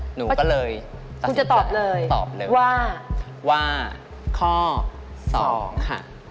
หนูก็เลยตัดสิทธิ์ค่ะตอบเลยว่าคุณจะตอบเลยว่าข้อ๒ค่ะ